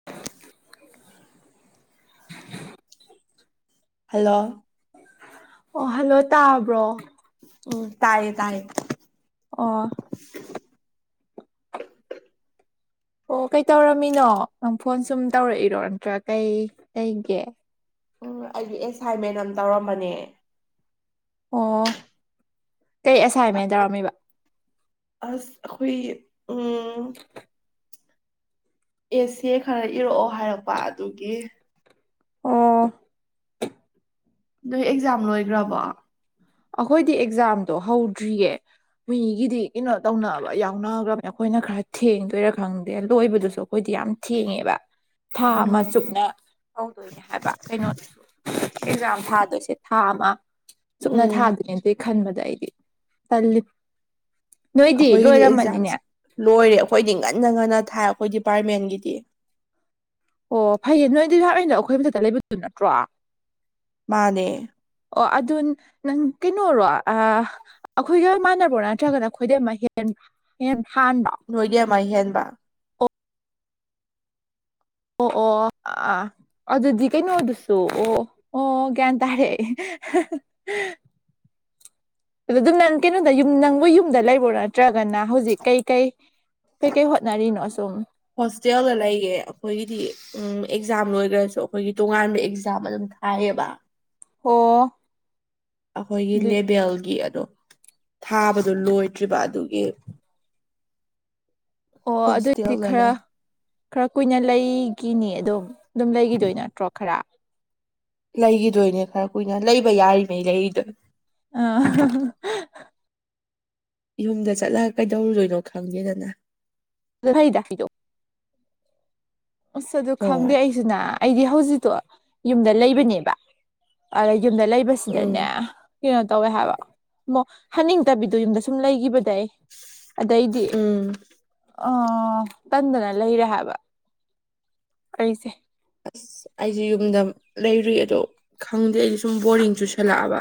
[inaudible] Hello ꯑꯣ hello ꯇꯥꯕ꯭ꯔꯣ ꯎꯝ ꯇꯥꯏꯌꯦ ꯇꯥꯏꯌꯦ ꯑꯣ ꯑꯣ ꯀꯩ ꯇꯧꯔꯝꯃꯤꯅꯣ ꯅꯪ ꯐꯣꯟ ꯁꯨꯝ ꯇꯧꯔꯛꯏꯔꯣ ꯅꯠꯇ꯭ꯔꯥ ꯀꯩ ꯀꯩꯒꯦ ꯎꯝ ꯑꯩꯒꯤ ꯑꯦꯁꯥꯏꯟꯃꯦꯟ ꯑꯝ ꯇꯧꯔꯝꯕꯅꯦ ꯑꯣ ꯀꯩ ꯑꯦꯁꯥꯏꯟꯃꯦꯟ ꯇꯧꯔꯝꯃꯤꯕ ꯑꯁ ꯑꯈꯣꯏ ꯎꯝ ꯑꯦꯁꯦ ꯈꯔ ꯏꯔꯛꯑꯣ ꯍꯥꯏꯔꯛꯄ ꯑꯗꯨꯒꯤ ꯑꯣ ꯅꯣꯏ ꯑꯦꯛꯖꯥꯝ ꯂꯣꯏꯒ꯭ꯔꯕꯣ ꯑꯩꯈꯣꯏꯗꯤ ꯑꯦꯛꯖꯥꯝꯗꯣ ꯍꯧꯗ꯭ꯔꯤꯌꯦ ꯃꯤꯒꯤꯗꯤ ꯀꯤꯅꯣ ꯇꯧꯅꯕ ꯌꯥꯎꯅꯒ꯭ꯔꯕꯅꯦ ꯑꯩꯈꯣꯏꯅ ꯈꯔ ꯊꯦꯡꯗꯣꯏꯔꯥ ꯈꯪꯗꯦ ꯂꯣꯏꯕꯗꯨꯁꯨ ꯑꯩꯈꯣꯏꯗꯤ ꯌꯥꯝ ꯊꯦꯡꯉꯦꯕ [inaudible] ꯊꯥ ꯑꯃ ꯆꯨꯞꯅ ꯇꯧꯗꯣꯏꯅꯦ ꯍꯥꯏꯕ ꯀꯩꯅꯣꯗꯨꯁꯨ ꯑꯦꯛꯖꯥꯝ ꯊꯥꯗꫭꯏꯁꯦ ꯊꯥ ꯑꯃ ꯆꯨꯞꯅ ꯎꯝ ꯊꯥꯗꯨꯏꯅꯦ ꯑꯗꯨꯏ ꯈꯟꯕꯗ ꯑꯩꯗꯤ ꯇꯜꯂꯤ ꯅꯣꯏꯗꯤ ꯑꯩꯈꯣꯏꯒꯤꯗꯤ ꯂꯣꯏꯔꯝꯃꯅꯤꯅꯦ ꯑꯦꯛꯖꯥꯝꯁꯦ ꯂꯣꯏꯔꯦ ꯑꯩꯈꯣꯏꯗꯤ ꯉꯟꯅ ꯉꯟꯅ ꯊꯥꯏ ꯑꯩꯈꯣꯏ ꯗꯤꯄꯥꯔꯠꯃꯦꯟꯒꯤꯗꯤ ꯑꯣ ꯐꯩꯌꯦ ꯅꯣꯏ [unintelligible] ꯑꯗꯨ ꯑꯩꯈꯣꯏ ꯃꯊꯛꯇ ꯂꯩꯕꯗꯨ ꯅꯠꯇ꯭ꯔꯣ ꯃꯥꯅꯦ ꯑꯣ ꯑꯗꯨ ꯅꯪ ꯀꯩꯅꯣꯔꯣ ꯑꯥ ꯑꯩꯈꯣꯏꯒ ꯃꯥꯟꯅꯕ꯭ꯔꯣ ꯅꯠꯇ꯭ꯔꯒꯅ ꯑꯩꯈꯣꯏꯗꯩ ꯍꯦꯟ ꯍꯦꯟ ꯍꯥꯟꯕ꯭ꯔꯣ ꯅꯣꯏꯗꯩ ꯑꯃ ꯍꯦꯟꯕ ꯑꯣ ꯑꯣ ꯑꯥ ꯑꯗꯨꯗꯤ ꯀꯩꯩꯅꯣꯗꯨꯁꯨ ꯑꯣ ꯑꯣ ꯒ꯭ꯌꯥꯟ ꯇꯥꯔꯦ [unintelligible] ꯑꯗꯗꯨꯝ ꯅꯪ ꯀꯩꯅꯣꯗ ꯌꯨꯝ ꯅꯪꯕ ꯌꯨꯝꯗ ꯂꯩꯕ꯭ꯔꯣ ꯅꯠꯇ꯭ꯔꯒꯅ ꯍꯧꯖꯤꯛ ꯀꯩꯀꯩ ꯀꯩꯀꯩ ꯍꯣꯠꯅꯔꯤꯅꯣ ꯑꯁꯨꯝ ꯍꯣꯁꯇꯦꯜꯗ ꯂꯩꯌꯦ ꯑꯩꯈꯣꯏꯒꯤꯗꯤ ꯎꯝ ꯑꯦꯛꯖꯥꯝ ꯂꯣꯏꯒ꯭ꯔꯁꯨ ꯑꯩꯈꯣꯏꯒꯤ ꯇꯣꯉꯥꯟꯕ ꯑꯦꯛꯖꯥꯝ ꯑꯗꯨꯝ ꯍꯥꯏꯌꯦꯕꯥ ꯑꯣ ꯑꯈꯣꯏꯒꯤ ꯑꯗꯨ ꯂꯦꯕꯦꯜꯒꯤ ꯑꯗꯣ ꯊꯥꯕꯗꯣ ꯂꯣꯏꯗ꯭ꯔꯤꯕ ꯑꯗꯨꯒꯤ ꯑꯣ ꯑꯗꯨꯏꯗꯤ ꯍꯣꯁꯇꯦꯜꯗ ꯈꯔ ꯂꯩ ꯈꯔ ꯀꯨꯏꯅ ꯂꯩꯒꯤꯅꯤ ꯑꯗꯨꯝ ꯑꯗꯨꯝ ꯂꯩꯒꯤꯗꯣꯏ ꯅꯠꯇ꯭ꯔꯣ ꯈꯔ ꯂꯩꯒꯤꯗꯣꯏꯅꯦ ꯈꯔ ꯀꯨꯏꯅ ꯂꯩꯕ ꯌꯥꯔꯤꯉꯩ ꯂꯩꯔꯤꯗꯣꯏ ꯑꯥ [unintelligible] ꯌꯨꯝꯗ ꯆꯠꯂꯒ ꯀꯩꯗꯧꯔꯨꯗꯣꯏꯅꯣ ꯈꯪꯗꯦꯗꯅ [unintelligible] ꯑꯁ ꯑꯗꯨ ꯈꯪꯗꯦ ꯍꯣꯏ ꯑꯩꯁꯨꯅ ꯑꯩꯗꯤ ꯍꯧꯖꯤꯛꯇꯣ ꯌꯨꯝꯗ ꯂꯩꯕꯅꯦꯕ ꯑ ꯌꯨꯝꯗ ꯎꯝ ꯂꯩꯕꯁꯤꯗꯅꯦ ꯀꯩꯅꯣ ꯇꯧꯋꯦ ꯍꯥꯏꯕ ꯃ ꯍꯅꯤꯡꯗꯕꯤꯗꯣ ꯌꯨꯝꯗ ꯁꯨꯝ ꯂꯩꯒꯤꯈꯤꯕꯗ ꯑꯩ ꯑꯗꯩꯗꯤ ꯎꯝ ꯑ ꯇꯟꯗꯅ ꯂꯩꯔꯦ ꯍꯥꯏꯕ ꯑꯩꯁꯦ ꯑꯁ ꯑꯩꯁꯦ ꯌꯨꯝꯗ ꯂꯩꯔꯨꯏ ꯑꯗꯣ ꯈꯪꯗꯦ ꯑꯩꯗꯤ ꯁꯨꯝ ꯕꯣꯔꯤꯡ ꯆꯨꯁꯜꯂꯛꯑꯕ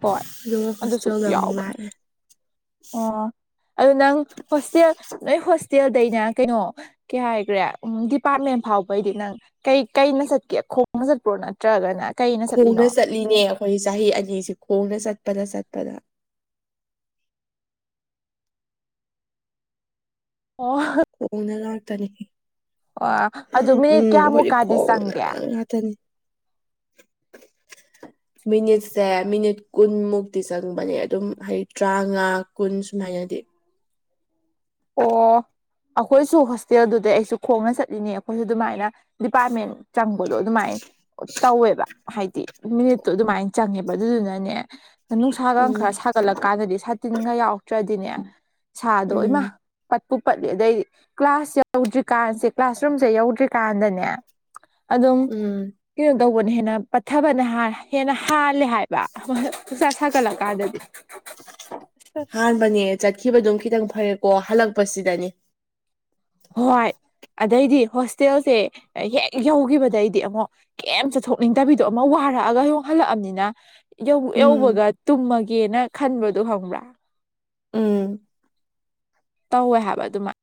ꯍꯣꯏ ꯑꯗꯨꯃ ꯑꯗꯨꯁꯨ ꯍꯣꯁꯇ꯭ꯦꯜ ꯗ ꯑꯃꯨꯛ ꯌꯥꯎꯕꯅꯦ ꯂꯥꯛꯑꯦ ꯑꯣ ꯑꯗꯨ ꯅꯪ ꯍꯣꯁꯇꯦꯜ ꯅꯣꯏ ꯍꯣꯁꯇꯦꯜꯗꯩꯅ ꯀꯩꯅꯣ ꯀꯩ ꯍꯥꯏꯈ꯭ꯔꯦ ꯎꯝ ꯗꯤꯄꯥꯔꯠꯃꯦꯟ ꯐꯥꯎꯕꯩꯗꯤ ꯅꯪ ꯀꯩ ꯀꯩꯅ ꯆꯠꯀꯦ ꯈꯣꯡꯅ ꯆꯠꯄ꯭ꯔꯣ ꯅ ꯅꯠꯇ꯭ꯔꯒꯅ ꯀꯩꯅ ꯈꯣꯡꯅ ꯆꯠꯂꯤꯅꯣ ꯆꯠꯂꯤꯅꯦ ꯑꯩꯈꯣꯏ ꯆꯍꯤ ꯑꯅꯤꯁꯤ ꯈꯣꯡꯅ ꯆꯠꯄꯗ ꯆꯠꯄꯗ ꯑꯣ ꯎꯅ ꯉꯛꯇꯅꯤ ꯑꯗꯨ ꯃꯤꯅꯤꯠ ꯎꯝ ꯍꯧꯖꯤ ꯀꯌꯥꯃꯨꯛꯀꯗꯤ ꯈꯣꯡꯅ ꯆꯪꯒꯦ ꯉꯊꯅꯤ [inaudible] ꯃꯤꯅꯤꯠꯁꯦ ꯃꯤꯅꯤꯠ ꯀꯨꯟꯃꯨꯛꯇꯤ ꯆꯪꯕꯅꯦ ꯑꯗꯨꯝ ꯍꯥꯏꯗꯤ ꯇꯔꯥꯃꯉꯥ ꯀꯨꯟ ꯁꯨꯃꯥꯏꯅꯗꯤ ꯑꯣ ꯑꯩꯈꯣꯏꯁꯨ ꯍꯣꯁꯇꯦꯜꯗꯨꯗ ꯑꯩꯁꯨ ꯈꯣꯡꯅ ꯆꯠꯂꯤꯅꯤ ꯑꯩꯈꯣꯏꯁꯨ ꯑꯗꯨꯃꯥꯏꯅ ꯗꯤꯄꯥꯔꯠꯃꯦꯟ ꯆꯪꯕꯗꯣ ꯑꯗꯨꯃꯥꯏ ꯇꯧꯋꯦꯕ ꯍꯥꯏꯗꯤ ꯃꯤꯅꯤꯠꯇꯣ ꯑꯗꯨꯃꯥꯏꯅ ꯆꯪꯉꯦꯕ ꯑꯗꯨꯗꯨꯅꯅꯦ ꯅꯨꯡꯁꯥꯒ ꯎꯝ ꯈꯔ ꯁꯥꯒꯠꯂꯛꯀꯥꯟꯗꯗꯤ ꯁꯥ ꯇꯤꯟꯒ ꯌꯥꯎꯔꯛꯇ꯭ꯔꯗꯤꯅꯦ ꯁꯥꯗꯣ ꯎꯝ ꯏꯃ ꯄꯠꯄꯨ ꯄꯠꯂꯤ ꯑꯗꯩ ꯀ꯭ꯂꯥꯁ ꯌꯧꯗ꯭ꯔꯤꯀꯥꯟꯁꯦ ꯀ꯭ꯂꯥꯁ ꯔꯨꯝꯁꯦ ꯌꯧꯗ꯭ꯔꯤꯀꯥꯟꯗꯅꯦ ꯑꯗꯨꯝ ꯎꯝ ꯀꯩꯅꯣ ꯇꯧꯕꯅ ꯍꯦꯟꯅ ꯄꯠꯊꯕꯅ ꯍꯦꯟꯅ ꯍꯥꯜꯂꯦ ꯍꯥꯏꯕ [unintelligible] ꯍꯣꯏꯆꯥꯥ ꯁꯥꯒꯠꯂꯛꯀꯥꯟꯗꯗꯤ ꯑꯍꯥꯟꯕꯅꯦ ꯆꯠꯈꯤꯕꯗꯨꯝ ꯈꯤꯇꯪ ꯐꯩꯀꯣ ꯍꯜꯂꯛꯄꯁꯤꯗꯅꯤ ꯍꯣꯏ ꯑꯗꯩꯗꯤ ꯍꯣꯁꯇꯦꯜꯁꯦ ꯍꯦꯛ ꯌꯧꯈꯤꯕꯗꯩꯗꯤ ꯑꯃꯨꯛ ꯀꯩꯝ ꯆꯠꯊꯣꯛꯅꯤꯡꯗꯕꯤꯗꯣ ꯑꯃ ꯋꯥꯔꯛꯑꯒ ꯌꯣꯡꯍꯜꯂꯛꯑꯕꯅꯤꯅ ꯌꯧ ꯎꯝ ꯌꯧꯕꯒ ꯇꯨꯝꯃꯒꯦꯅ ꯈꯟꯕꯗꯨ ꯈꯪꯕ꯭ꯔꯥ ꯎꯝ ꯇꯧꯋꯦ ꯍꯥꯏꯕ ꯑꯗꯨꯃꯥꯏ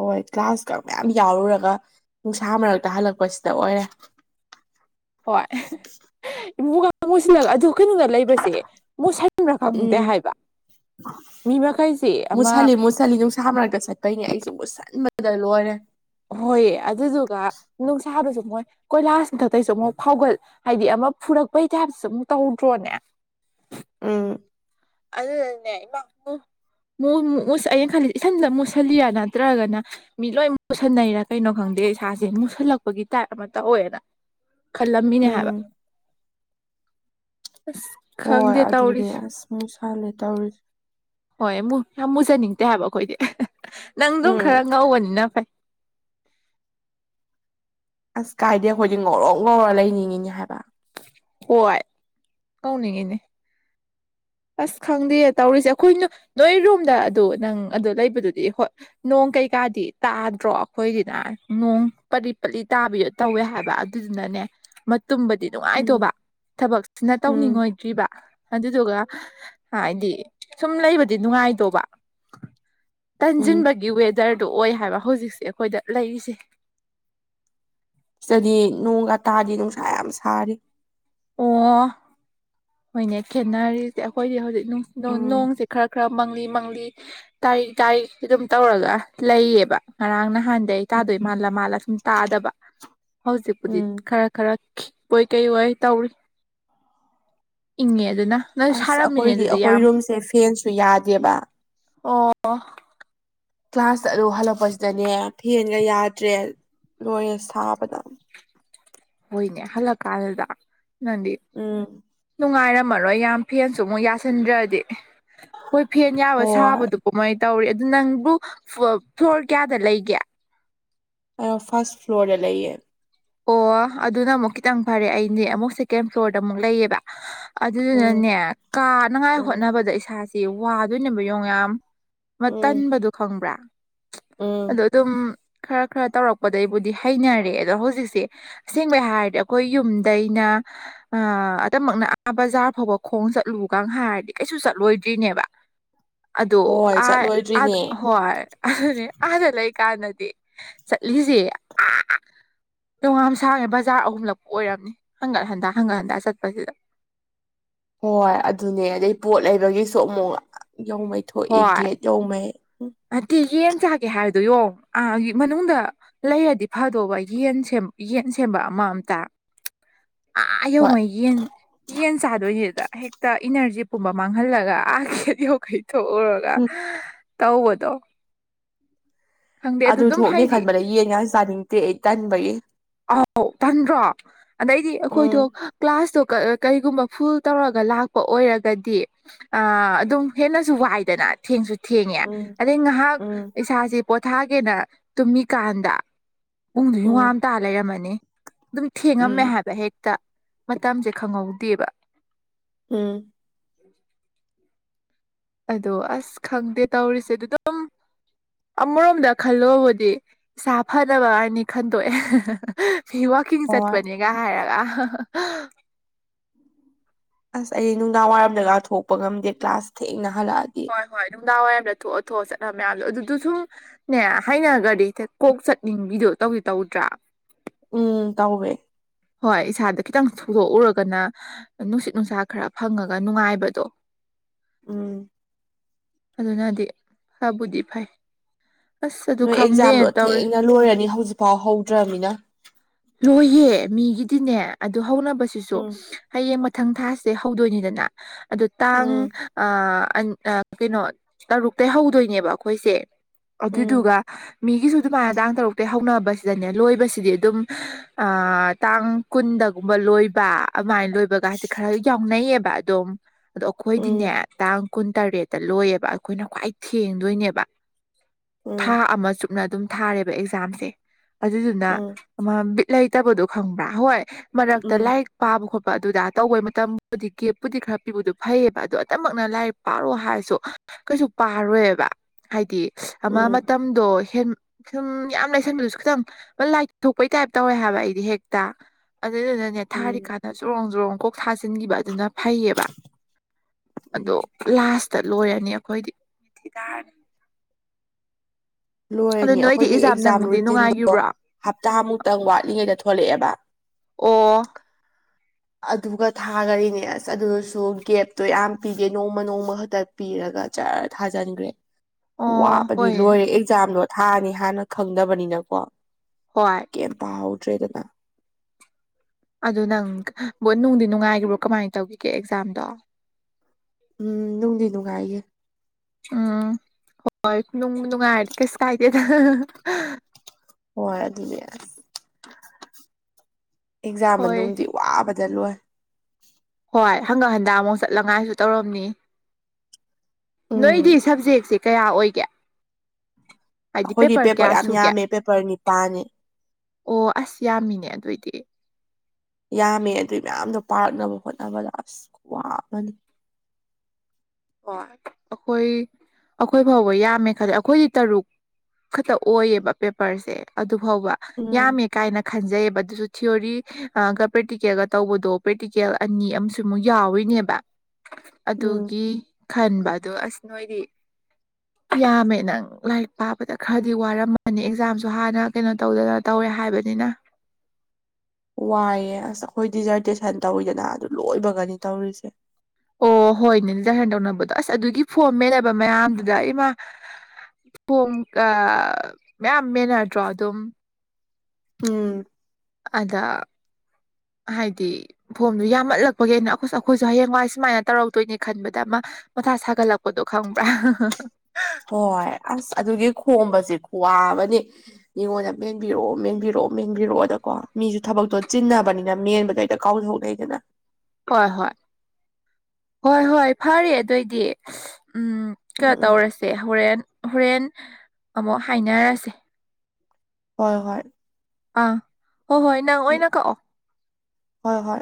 ꯍꯣꯏ ꯀ꯭ꯂꯥꯁꯀ ꯃꯌꯥꯝ ꯌꯥꯎꯔꯨꯔꯒ ꯅꯨꯡꯁꯥ ꯃꯔꯛꯇ ꯍꯜꯂꯛꯄꯁꯤꯗ ꯑꯣꯏꯔꯦ ꯍꯣꯏ ꯏꯃꯨꯡꯒ ꯃꯨꯁꯤꯜꯂꯒ ꯑꯗꯨ ꯀꯩꯅꯣꯗ ꯂꯩꯕꯁꯦ ꯃꯨꯁꯟ ꯕꯔ ꯈꯪꯗꯦ ꯎꯝ ꯍꯥꯏꯕ ꯃꯤ ꯃꯈꯩꯁꯤ ꯑꯃ ꯆꯠꯂꯤ ꯅꯨꯡꯁꯥ ꯃꯔꯛꯇ ꯆꯠꯄꯩꯅꯦ ꯑꯩꯁꯨꯕꯨꯁꯟꯕꯗ ꯂꯣꯏꯔꯦ ꯍꯣꯏꯌꯦ ꯑꯗꯨꯗꯨꯒ ꯅꯨꯡꯁꯥꯕꯁꯨ ꯃꯣꯏ ꯀꯣꯏꯂꯥꯁ ꯃꯊꯛꯇꯇꯩꯒꯤꯁꯨ ꯑꯃꯨꯛ ꯐꯥꯎꯒꯠ ꯍꯥꯏꯗꯤ ꯑꯃ ꯐꯨꯔꯛꯄꯩꯇꯥꯏꯞꯁꯨ ꯑꯃꯨꯛ ꯇꯧꯗ꯭ꯔꯣꯅꯦ ꯎꯝ ꯑꯗꯨꯗꯅꯦ ꯏꯃꯥꯠ [unintelligible] ꯑꯩꯅ ꯈꯜꯂꯤꯁ ꯏꯁꯟꯁꯤꯗ ꯃꯨꯠꯁꯤꯜꯂꯤꯔ ꯅꯠꯇ꯭ꯔꯒꯅ ꯃꯤ ꯂꯣꯏ ꯃꯨꯁꯟꯅꯩꯔꯥ ꯀꯩꯅꯣ ꯈꯪꯗꯦ ꯏꯁꯥꯁꯦ ꯃꯨꯁꯜꯂꯛꯄꯒꯤ ꯇꯥꯏꯞ ꯑꯃ ꯇ ꯑꯣꯏꯦꯅ ꯈꯜꯂꯝꯃꯤꯅꯦ ꯍꯥꯏꯕ ꯎꯝ ꯑꯁ ꯈꯪꯗꯦ ꯇꯧꯔꯤꯁꯦ ꯎꯝ ꯁꯥꯂꯦ ꯇꯧꯔꯤꯁꯦ ꯍꯣꯏ ꯃꯨ ꯌꯥꯝ ꯃꯨꯖꯅꯤꯡꯗꯦ ꯍꯥꯏꯕ ꯑꯩꯈꯣꯏꯗꯤ ꯅꯪ ꯑꯗꯨꯝ ꯎꯝ ꯈꯔ ꯉꯧꯕꯅꯤꯅ ꯐꯩ ꯑꯁ ꯀꯥꯏꯗꯦ ꯑꯩꯈꯣꯏꯗꯤ ꯉꯧꯔꯧ ꯉꯧꯔ ꯂꯩꯅꯤꯡꯉꯤꯅꯤ ꯍꯥꯏꯕ ꯍꯣꯏ ꯇꯧꯅꯤꯡꯉꯤꯅꯦ ꯑꯁ ꯈꯪꯗꯦ ꯇꯧꯔꯤꯁꯦ ꯑꯩꯈꯣꯏꯅ ꯅꯣꯏꯔꯣꯝꯗ ꯑꯗꯨ ꯅꯪ ꯑꯗꯨ ꯂꯩꯕꯗꯨꯗꯤ ꯍꯣꯏ ꯅꯣꯡ ꯀꯩꯀꯥꯗꯤ ꯇꯥꯗ꯭ꯔꯣ ꯑꯩꯈꯣꯏꯁꯤꯅ ꯅꯣꯡ ꯄꯂꯤ ꯄꯂꯤ ꯇꯥꯕꯤ ꯇꯧꯋꯦ ꯍꯥꯏꯕ ꯑꯗꯨꯗꯨꯅꯅꯦ ꯃꯇꯨꯝꯕꯗꯤ ꯎꯝ ꯅꯨꯡꯉꯥꯏꯇꯧꯕ ꯊꯕꯛꯁꯤꯅ ꯎꯝ ꯇꯧꯅꯤꯡꯉꯣꯏꯗ꯭ꯔꯤꯕ ꯑꯗꯨꯗꯨꯒ ꯍꯥꯏꯗꯤ ꯁꯨꯝ ꯂꯩꯕꯗꯤ ꯅꯨꯡꯉꯥꯏꯗꯧꯕ ꯎꯝ ꯇꯟꯁꯤꯟꯕꯒꯤ ꯋꯦꯗꯔꯗꯨ ꯑꯣꯏ ꯍꯥꯏꯕ ꯍꯧꯖꯤꯛꯁꯦ ꯑꯩꯈꯣꯏꯗ ꯂꯩꯔꯤꯁꯦ ꯁꯤꯗꯗꯤ ꯅꯣꯡꯒ ꯇꯥꯗꯤ ꯅꯨꯡꯁꯥ ꯌꯥꯝ ꯁꯥꯔꯤ ꯑꯣ ꯍꯣꯏꯅꯦ ꯈꯦꯅꯔꯤꯁꯦ ꯑꯩꯈꯣꯏꯗꯤ ꯍꯧꯖꯤꯛ [unintelligible] ꯎꯝ ꯅꯣꯡꯁꯦ ꯈꯔ ꯈꯔ ꯃꯪꯂꯤ ꯃꯪꯂꯤ ꯇꯥꯔꯤ ꯇꯥꯔꯤ ꯑꯗꯨꯝ ꯇꯧꯔꯒ ꯂꯩꯌꯦꯕ ꯉꯔꯥꯡ ꯅꯍꯥꯟ ꯑꯗꯩ ꯇꯥꯗꯣꯏ ꯃꯥꯜꯂ ꯃꯥꯜꯂ ꯁꯨꯝ ꯇꯥꯗꯕ ꯍꯧꯖꯤꯛꯄꯨꯗꯤ ꯎꯝ ꯈꯔ ꯈꯔ ꯄꯣꯏ ꯀꯩ ꯑꯣꯏ ꯇꯧꯔꯤ ꯏꯪꯉꯦ ꯑꯗꯨꯅ ꯅꯣꯏ ꯑꯁ ꯁꯥꯔꯝꯃꯤꯅꯦ ꯑꯩꯈꯣꯏꯗꯤ ꯑꯗꯨꯗꯤ ꯑꯩꯈꯣꯏ ꯌꯥꯝ ꯔꯨꯝꯁꯦ ꯐꯦꯟꯁꯨ ꯌꯥꯗꯦꯕ ꯑꯣ ꯀ꯭ꯂꯥꯁ ꯆꯠꯂꯨ ꯍꯜꯂꯛꯄꯁꯤꯗꯅꯦ ꯐꯦꯟꯒ ꯌꯥꯗ꯭ꯔꯦ ꯂꯣꯏꯔꯦ ꯁꯥꯕꯗ ꯍꯣꯏꯅꯦ ꯍꯜ ꯀꯥꯟꯗꯨꯗ ꯅꯪꯗꯤ ꯎꯝ ꯅꯨꯡꯉꯥꯏꯔꯝꯃꯔꯣꯏ ꯌꯥꯝ ꯐꯦꯟꯁꯨ ꯑꯃꯨꯛ ꯌꯥꯟꯁꯤꯟꯕꯤꯔꯗꯤ ꯍꯣꯏ ꯐꯦꯟ ꯌꯧꯔ ꯍꯣꯏ ꯁꯥꯕꯗꯨ ꯀꯃꯥꯏꯅ ꯇꯧꯔꯤ ꯑꯗꯨ ꯅꯪꯕꯨ ꯐ꯭ꯂꯣꯔ ꯀꯌꯥꯗ ꯂꯩꯒꯦ ꯐꯥ꯭ꯔꯁ ꯐ꯭ꯂꯣꯔꯗ ꯂꯩꯌꯦ ꯑꯣ ꯑꯗꯨꯅ ꯑꯃꯨꯛ ꯈꯤꯇꯪ ꯐꯔꯦ ꯑꯩꯗꯤ ꯑꯃꯨꯛ ꯁꯦꯀꯦꯟ ꯐ꯭ꯂꯣꯔꯗ ꯑꯃꯨꯛ ꯂꯩꯌꯦꯕ ꯎꯝ ꯑꯗꯨꯗꯨꯅꯅꯦ ꯀꯥꯅꯉꯥꯏ ꯎꯝ ꯍꯣꯠꯅꯕꯗ ꯏꯁꯥꯁꯤ ꯋꯥꯗꯣꯏꯅꯦꯕ ꯌꯦꯡꯉꯣ ꯌꯥꯝ ꯑꯃ ꯎꯝ ꯇꯟꯕꯗꯣ ꯈꯪꯕ꯭ꯔꯥ ꯎꯝ ꯑꯗꯣ ꯑꯗꯨꯝ ꯈꯔ ꯈꯔ ꯇꯧꯔꯛꯄꯗꯩꯕꯨꯗꯤ ꯍꯩꯅꯔꯦ ꯑꯗꯣ ꯍꯧꯖꯤꯛꯁ ꯑꯁꯦꯡꯕꯩ ꯍꯥꯏꯔꯗꯤ ꯑꯩꯈꯣꯏ ꯌꯨꯝꯗꯩꯅ ꯑ ꯑꯗꯨꯃꯛꯅ ꯕꯖꯥꯔ ꯐꯥꯎꯕ ꯈꯣꯡ ꯆꯠꯂꯨꯒ ꯍꯥꯏꯔꯗꯤ ꯀꯩꯁꯨ ꯆꯠꯂꯣꯏꯗ꯭ꯔꯤꯅꯦꯕ [inaudible] ꯑꯗꯣ ꯍꯣꯏ ꯑ ꯑ ꯆꯠꯂꯣꯏꯗ꯭ꯔꯤꯅꯦ ꯍꯣꯏ ꯑꯗꯨꯅꯦ ꯑꯥꯗ ꯂꯩ ꯀꯥꯟꯗꯗꯤ ꯆꯠꯂꯤꯁꯦ ꯅꯣꯡꯉꯥ ꯁꯥꯡꯉꯦ ꯕꯖꯥꯔ ꯑꯍꯨꯝꯂꯛ ꯀꯣꯏꯔꯝꯅꯤ ꯍꯪꯒꯠ ꯍꯟꯗ ꯍꯪꯒꯠ ꯍꯟꯗ ꯆꯠꯄꯁꯤꯗ ꯍꯣꯏ ꯑꯗꯨꯅꯦ ꯑꯗꯩ ꯄꯣꯠ ꯂꯩꯕꯒꯤꯁꯨ ꯑꯃꯨꯛ ꯌꯧꯉꯩ ꯊꯣꯛꯏ ꯍꯣꯏ ꯒꯦꯠ ꯌꯧꯉꯩ꯫ ꯅꯠꯇꯦ ꯌꯦꯟ ꯆꯥꯒꯦ ꯍꯥꯏꯕꯗꯨ ꯌꯣ ꯑꯥꯒꯤ ꯃꯅꯨꯡꯗ ꯂꯩꯔꯗꯤ ꯐꯗꯧꯕ ꯌꯦꯟ ꯁꯦꯝ ꯌꯦꯟ ꯁꯦꯝꯕ ꯑꯃ ꯑꯝꯇ ꯑꯥ ꯍꯣꯏ ꯌꯧꯉꯩ ꯌꯦꯟ ꯌꯦꯟ ꯆꯥꯗꯣꯏꯅꯤꯗ ꯍꯦꯛ ꯇ ꯏꯅꯔꯖꯤ ꯄꯨꯝꯕ ꯃꯥꯡꯍꯜꯂꯒ ꯑꯥ ꯒꯦꯠ ꯌꯈꯩ ꯊꯣꯛꯎꯔꯒ ꯎꯝ ꯇꯧꯕꯗꯣ꯫ ꯈꯪꯗꯦ ꯑꯗꯨ ꯑꯗꯨꯝ ꯊꯣꯛꯅꯤ ꯍꯥꯏꯗꯤ ꯈꯟꯕꯗ ꯌꯦꯟꯒ ꯆꯥꯅꯤꯡꯇꯦ ꯑꯩ ꯇꯟꯕꯒꯤ꯫ ꯑꯥꯎ ꯇꯟꯗ꯭ꯔꯣ꯫ ꯑꯗꯩꯗꯤ ꯑꯩꯈꯣꯏꯗꯣ ꯎꯝ ꯀ꯭ꯂꯥꯁꯇꯣ ꯀꯔꯤꯒꯨꯝꯕ ꯐꯨꯜ ꯇꯧꯔꯒ ꯂꯥꯛꯄ ꯑꯣꯏꯔꯒꯗꯤ꯫ ꯑꯗꯨꯝ ꯍꯦꯟꯅꯁꯨ ꯋꯥꯏꯗꯅ ꯊꯦꯡꯁꯨ ꯊꯦꯡꯉꯦ ꯎꯝ ꯑꯗꯩ ꯉꯥꯏꯍꯥꯛ ꯎꯝ ꯏꯁꯥꯁꯦ꯫ ꯄꯣꯊꯥꯒꯦꯅ ꯇꯨꯝꯃꯤꯀꯥꯟꯗ ꯄꯨꯡꯗꯨ ꯎꯝ ꯌꯨꯉꯥꯝꯇꯥ ꯂꯩꯔꯝꯃꯅꯤ꯫ ꯑꯗꯨꯝ ꯊꯦꯡꯉꯝꯃꯦ ꯎꯝ ꯍꯥꯏꯕ ꯍꯦꯛꯇ ꯃꯇꯝꯁꯦ ꯈꯪꯍꯧꯗꯦꯕ꯫ ꯎꯝ꯫ ꯑꯗꯣ ꯑꯁ ꯈꯪꯗꯦ ꯇꯧꯔꯤꯁꯦ ꯑꯗꯨ ꯑꯗꯨꯝ ꯑꯃꯔꯣꯝꯗ ꯈꯜꯂꯣꯕꯨꯗꯤ꯫ ꯏꯁꯥꯐꯅꯕꯅꯤ ꯈꯟꯗꯣꯛꯑꯦ ꯃꯤ ꯋꯥ ꯀꯤꯡ ꯍꯣꯏ ꯆꯠꯄꯅꯤꯒ ꯍꯥꯏꯔꯒ꯫ ꯑꯁ ꯑꯩ ꯅꯨꯡꯗꯥꯡ ꯋꯥꯏꯔꯝꯗ ꯊꯣꯛꯄ ꯉꯝꯗꯦ ꯀ꯭ꯂꯥꯁ ꯊꯦꯡꯅ ꯍꯜꯂꯛꯑꯗꯤ꯫ ꯍꯣꯏ ꯍꯣꯏ ꯅꯨꯡꯗꯥꯡ ꯋꯥꯏꯔꯝ ꯊꯣꯛꯑ ꯊꯣꯛꯑ ꯆꯠꯅꯕ ꯃꯌꯥꯝꯗꯣ ꯑꯗꯨꯗꯨ ꯁꯨꯝ ꯅꯦ ꯍꯥꯏꯅꯒꯔꯗꯤ ꯀꯣꯛ ꯆꯠꯅꯤꯡꯕꯤꯗꯣ ꯇꯧꯗꯤ ꯇꯧꯗ꯭ꯔꯥ꯫ ꯎꯝ ꯇꯥꯎꯋꯦ꯫ ꯍꯣꯏ ꯏꯁꯥꯗ ꯈꯤꯇꯪ ꯊꯨꯗꯣꯛꯎꯔꯒꯅ꯫ ꯅꯨꯡꯁꯤꯠ ꯅꯨꯡꯁꯥ ꯈꯔ ꯐꯪꯉꯒ ꯅꯨꯡꯉꯥꯏꯕꯗꯣ꯫ ꯎꯝ꯫ ꯑꯗꯨꯅꯗꯤ ꯐꯥꯕꯨꯗꯤ ꯐꯩ꯫ ꯑꯁ ꯑꯗꯨ ꯅꯣꯏ ꯑꯦꯛꯖꯥꯝꯗꯣ ꯈꯪꯗꯦꯅ ꯇꯧꯔꯤ ꯊꯦꯡꯅ ꯂꯣꯏꯔꯅꯤ ꯍꯧꯖꯤꯛꯐꯥꯎ ꯍꯧꯗ꯭ꯔꯃꯤꯅ꯫ ꯂꯣꯏꯌꯦ ꯃꯤꯒꯤꯗꯤꯅꯦ ꯑꯗꯨ ꯍꯧꯅꯕꯁꯤꯁꯨ꯫ ꯎꯝ ꯍꯌꯦꯡ ꯃꯊꯪ ꯊꯥꯁꯦ ꯍꯧꯗꯣꯏꯅꯤꯗꯅ ꯑꯗꯣ ꯇꯥꯡ ꯎꯝ ꯑ ꯀꯩꯅꯣ ꯇꯔꯨꯛꯇꯩꯩ ꯍꯧꯗꯣꯏꯅꯦꯕ ꯑꯩꯈꯣꯏꯁꯦ꯫ ꯎꯝ ꯑꯗꯨꯗꯨꯒ ꯃꯤꯒꯤꯁꯨ ꯑꯗꯨꯃꯥꯏꯅ ꯇꯥꯡ ꯇꯔꯨꯛꯇꯩꯩ ꯍꯧꯅꯕꯁꯤꯗꯅꯦ ꯂꯣꯏꯕꯁꯤꯗꯤ ꯑꯗꯨꯝ ꯑꯥ ꯇꯥꯡ ꯀꯨꯟꯗꯒꯨꯝꯕ ꯂꯣꯏꯕ ꯑꯗꯨꯃꯥꯏꯅ ꯂꯣꯏꯕꯒꯥꯁꯦ ꯈꯔ ꯌꯥꯎꯅꯩꯌꯦꯕ ꯑꯗꯨꯝ꯫ ꯑꯗꯣ ꯎꯝ ꯑꯩꯈꯣꯏꯗꯤꯅꯦ ꯇꯥꯡ ꯀꯨꯟꯇꯔꯦꯠꯇ ꯂꯣꯏꯌꯦꯕ ꯑꯩꯈꯣꯏꯅ ꯈ꯭ꯋꯥꯏ ꯊꯦꯡꯗꯣꯏꯅꯦꯕ꯫ ꯊꯥ ꯎꯝ ꯑꯃ ꯆꯨꯞꯅ ꯑꯗꯨꯝ ꯊꯥꯔꯦꯕ ꯑꯦꯛꯖꯥꯝꯁꯦ ꯑꯗꯨꯗꯨꯅ꯫ ꯎꯝ ꯕꯤꯠ ꯂꯩꯇꯕꯗꯣ ꯈꯪꯕ꯭ꯔꯥ ꯍꯣꯏ ꯃꯔꯛꯇ ꯎꯝ ꯂꯥꯏꯔꯤꯛ ꯄꯥꯕ ꯈꯣꯠꯄ ꯑꯗꯨꯗ ꯇꯧꯕꯩ ꯃꯇꯝꯕꯨꯗꯤ ꯀꯦꯞꯄꯨꯗꯤ ꯈꯔ ꯄꯤꯕꯗꯨ ꯐꯩꯑꯦꯕ ꯑꯗꯣ ꯑꯇꯝꯃꯛꯅ ꯂꯥꯏꯔꯤꯛ ꯄꯥꯔꯣ ꯍꯥꯏꯔꯁꯨ ꯀꯩꯁꯨ ꯄꯥꯔꯣꯏꯕ ꯍꯥꯏꯗꯤ ꯑꯃ ꯎꯝ ꯃꯇꯝ ꯁꯨꯝꯗꯣ ꯍ ꯁꯨꯝ ꯌꯥꯝ ꯂꯩꯁꯟꯕꯗꯨꯁꯨ ꯈꯤꯇꯪ ꯂꯥꯏꯊꯣꯛꯄꯩ ꯇꯥꯏꯞ ꯇꯧꯋꯦ ꯍꯥꯏꯕ ꯑꯩꯗꯤ ꯍꯦꯛ ꯇ ꯑꯗꯨꯗꯨꯅꯅꯦ ꯎꯝ ꯊꯥꯔꯤꯀꯥꯟꯗ ꯆꯨꯔꯣꯡ ꯆꯨꯔꯣꯡ ꯀꯣꯛ ꯊꯥꯖꯤꯟꯈꯤꯕ ꯑꯗꯨꯅ ꯐꯩꯌꯦꯕ ꯑꯗꯣ ꯎꯝ ꯂꯥꯁꯇ ꯂꯣꯏꯔꯅꯤ ꯑꯩꯈꯣꯏꯗꯤ ꯇꯥꯔꯅꯤ ꯑꯗꯣ ꯂꯣꯏꯔꯅꯤ ꯅꯣꯏꯗꯤ ꯑꯩꯈꯣꯏꯒꯤ ꯑꯦꯛꯖꯥꯝ ꯅꯪꯕꯨꯗꯤ ꯔꯨꯇꯤꯟꯗꯣ ꯅꯨꯡꯉꯥꯏꯈꯤꯕ꯭ꯔꯣ ꯑꯣ ꯍꯞꯇꯥꯃꯨꯛꯇꯪ ꯋꯥꯠꯂꯤꯉꯩꯗ ꯊꯣꯛꯂꯛꯑꯦꯕ ꯑꯣ ꯑꯗꯨꯒ ꯊꯥꯈꯔꯤꯅꯦ ꯑꯁ ꯑꯗꯨꯁꯨ ꯒꯦꯞꯇꯣ ꯌꯥꯝ ꯄꯤꯗꯦ ꯅꯣꯡꯃ ꯅꯣꯡꯃ ꯈꯛꯇ ꯄꯤꯔꯒ ꯆꯔ ꯊꯥꯖꯟꯈ꯭ꯔꯦ ꯑꯣ ꯋꯥꯕꯗꯤ ꯍꯣꯏ ꯂꯣꯏꯔꯦ ꯑꯦꯛꯖꯥꯝꯗꯣ ꯊꯥꯅꯤ ꯍꯥꯟꯅ ꯈꯪꯗꯕꯅꯤꯅꯀꯣ ꯍꯣꯏ ꯀꯦꯝ ꯄꯥꯍꯧꯗ꯭ꯔꯦꯗꯅ ꯑꯗꯨ ꯅꯪ ꯕꯣꯠ ꯅꯨꯡꯗꯤ ꯅꯨꯡꯉꯥꯏꯕ꯭ꯔꯣ ꯀꯃꯥꯏꯅ ꯇꯧꯈꯤꯒꯦ ꯑꯦꯛꯖꯥꯝꯗꯣ ꯎꯝ ꯅꯨꯡꯗꯤ ꯅꯨꯡꯉꯥꯏꯒꯤ ꯎꯝ ꯍꯣꯏ ꯅꯨꯡꯕꯨ ꯅꯨꯡꯉꯥꯏꯔꯗꯤ ꯀꯩꯁꯨ ꯀꯥꯏꯗꯦꯗ ꯍꯣꯏ ꯑꯗꯨꯅꯦ ꯑꯂ ꯑꯦꯛꯖꯥꯝ ꯍꯣꯏ ꯃꯅꯨꯡꯗꯤ ꯋꯥꯕꯗ ꯂꯣꯏ ꯍꯣꯏ ꯍꯪꯒꯥꯠ ꯍꯟꯗ ꯑꯃꯨꯛ ꯆꯠꯂꯉꯥꯏꯁꯨ ꯇꯧꯔꯝꯅꯤ ꯅꯣꯏꯗꯤ ꯎꯝ ꯁꯕꯖꯦꯛꯁꯦ ꯀꯌꯥ ꯑꯣꯏꯒꯦ ꯍꯥꯏꯗꯤ ꯑꯩꯈꯣꯏꯗꯤ ꯄꯦꯄꯔ ꯀꯌꯥ ꯌꯥꯝ ꯁꯨꯒꯦ ꯌꯥꯝꯃꯦ ꯄꯦꯄꯔ ꯅꯤꯄꯥꯜꯅꯦ ꯑꯣ ꯑꯁ ꯌꯥꯝꯃꯤꯅꯦ ꯑꯗꯨꯑꯣꯏꯗꯤ ꯌꯥꯝꯃꯦ ꯑꯗꯨꯏ ꯃꯌꯥꯝꯗꯣ ꯄꯥꯔꯛꯅꯕ ꯍꯣꯠꯅꯕꯗ ꯑꯁ ꯈꯨꯋꯥ ꯑꯃꯅꯤ ꯑꯣ ꯑꯩꯈꯣꯏ ꯑꯩꯈꯣꯏ ꯐꯥꯎꯕ ꯌꯥꯝꯃꯦ ꯈꯜꯂꯦ ꯑꯩꯈꯣꯏꯗꯤ ꯇꯔꯨꯛ ꯈꯛꯇ ꯑꯣꯏꯌꯦꯕ ꯄꯦꯄꯔꯁꯦ ꯑꯗꯨ ꯐꯥꯎꯕ ꯌꯥꯝꯃꯦ ꯎꯝ ꯀꯥꯏꯅ ꯈꯟꯖꯩꯌꯦꯕ ꯑꯗꯨꯁꯨ ꯊꯤꯌꯣꯔꯤꯒ ꯄ꯭ꯔꯦꯛꯇꯤꯀꯦꯜꯒ ꯇꯧꯕꯗꯣ ꯄ꯭ꯔꯦꯛꯇꯤꯀꯦꯜ ꯑꯅꯤ ꯑꯃꯁꯨ ꯌꯥꯎꯔꯤꯅꯦꯕ ꯎꯝ ꯑꯗꯨꯒꯤ ꯈꯟꯕ ꯑꯗꯨ ꯑꯁ ꯅꯣꯏꯗꯤ [inaudible] ꯌꯥꯝꯃꯦ ꯅꯪ ꯂꯥꯏꯔꯤꯛ ꯄꯥꯄꯗ ꯈꯔꯗꯤ ꯋꯥꯔꯝꯃꯅꯤ ꯑꯦꯛꯖꯥꯝꯁꯨ ꯍꯥꯟꯅ ꯀꯩꯅꯣ ꯇꯧꯗꯅ ꯇꯧꯔꯦ ꯍꯥꯏꯕꯅꯤꯅ ꯋꯥꯏꯑꯦ ꯑꯁ ꯑꯩꯈꯣꯏ ꯗꯤꯖꯔꯇꯦꯁꯟ ꯇꯧꯋꯤꯗꯅ ꯑꯗꯨ ꯂꯣꯏꯕꯒꯅꯤ ꯇꯧꯔꯤꯁꯦ ꯑꯣ ꯍꯣꯏ ꯅꯅꯦꯗ ꯍꯦꯟꯗꯧꯅꯕꯗꯣ ꯑꯁ ꯑꯗꯨꯒꯤ ꯐꯣꯝ ꯃꯦꯟꯅꯦꯕ ꯃꯌꯥꯝꯗꯨꯗ ꯏꯃꯥ ꯐꯣꯝ ꯑꯥ ꯃꯌꯥꯝ ꯃꯦꯟꯅꯔꯛꯗ꯭ꯔꯣ ꯑꯗꯨꯝ ꯎꯝ ꯑꯗꯥ ꯍꯥꯏꯗꯤ ꯐꯣꯝꯗꯨ ꯌꯥꯝꯃꯠꯂꯛꯄꯒꯤ ꯑꯗ ꯑꯩꯅ ꯑꯩꯈꯣꯏꯁꯨ ꯍꯌꯦꯡꯋꯥꯏ ꯁꯨꯃꯥꯏꯅ ꯇꯧꯔꯛꯇꯣꯏꯅꯦ ꯈꯟꯕꯗ ꯑꯃ ꯃꯊꯥ ꯁꯥꯒꯠꯂꯛꯄꯗꯣ ꯈꯪꯕ꯭ꯔꯥ ꯍꯣꯏ ꯑꯁ ꯑꯗꯨꯒꯤ ꯈꯣꯝꯕꯁꯦ ꯈꯨꯋꯥ ꯑꯃꯅꯤ ꯃꯤꯉꯣꯟꯗ ꯃꯦꯟꯕꯤꯔꯛꯑꯣ ꯃꯦꯟꯕꯤꯔꯛꯑꯣ ꯃꯦꯟꯕꯤꯔꯛꯑꯣꯗꯀꯣ ꯃꯤꯁꯨ ꯊꯕꯛꯇꯣ ꯆꯤꯟꯅꯕꯅꯤꯅ ꯃꯦꯟꯕꯗꯩ ꯍꯦꯛꯇ ꯀꯧꯊꯣꯛꯅꯩꯗꯅ ꯍꯣꯏ ꯍꯣꯏ ꯍꯣꯏ ꯍꯣꯏ ꯐꯔꯦ ꯑꯗꯨ ꯑꯣꯏꯗꯤ ꯎꯝ ꯎꯝ ꯀꯩꯅꯣ ꯎꯝ ꯇꯧꯔꯁꯦ ꯍꯣꯔꯦꯟ ꯍꯣꯔꯦꯟ ꯑꯃꯨꯛ ꯍꯥꯏꯅꯔꯁꯦ ꯍꯣꯏ ꯍꯣꯏ ꯑꯥ ꯍꯣꯏ ꯍꯣꯏ ꯅꯪ ꯎꯝ ꯑꯣꯏꯅ ꯀꯛꯑꯣ ꯍꯣꯏ ꯍꯣꯏ